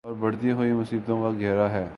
اوربڑھتی ہوئی مصیبتوں کا گھیرا ہے۔